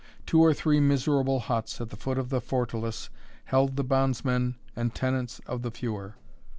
Two or three miserable huts, at the foot of the fortalice, held the bondsmen and tenants of the feuar.